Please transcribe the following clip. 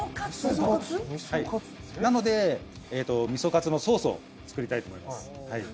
なので味噌カツのソースを作りたいと思います